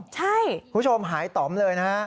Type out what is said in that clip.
คุณผู้ชมหายต่อมเลยนะฮะ